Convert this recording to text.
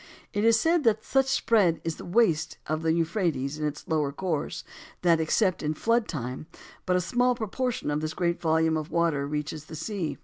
It is said that such is the spread and waste of the Euphrates in its lower course, that, except in flood time, but a small proportion of this great volume of water reaches the sea.